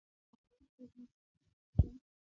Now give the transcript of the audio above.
په ځانګړې توګه چې کله خبره